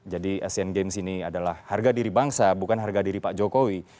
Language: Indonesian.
asean games ini adalah harga diri bangsa bukan harga diri pak jokowi